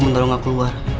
menolong gak keluar